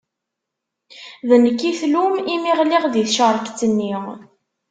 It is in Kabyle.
D nekk i tlum imi ɣliɣ di tcerket-nni.